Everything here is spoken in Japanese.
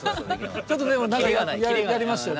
ちょっとでも何かやりましたよね。